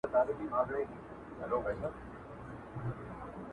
څه لښکر لښکر را ګورې څه نیزه نیزه ږغېږې-